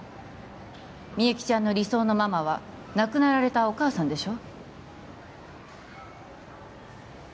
みゆきちゃんの理想のママは亡くなられたお母さんでしょ？